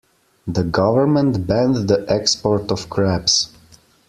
The government banned the export of crabs.